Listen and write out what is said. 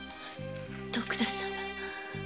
徳田様。